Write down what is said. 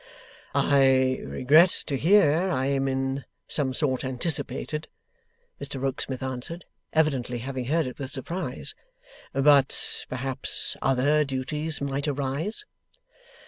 'I regret to hear I am in some sort anticipated,' Mr Rokesmith answered, evidently having heard it with surprise; 'but perhaps other duties might arise?